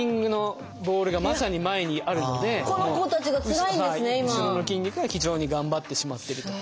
後ろの筋肉が非常に頑張ってしまってると。